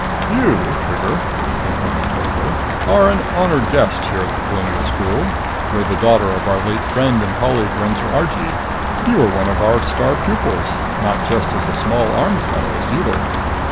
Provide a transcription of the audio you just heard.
"You, Trigger," Plemponi told her, "are an honored guest here at the Colonial School. You're the daughter of our late friend and colleague Runser Argee. You were one of our star pupils not just as a small arms medallist either.